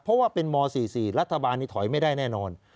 เพราะว่าเป็นม๔๔รัฐบาลนี้ถอยไม่ได้แน่นอน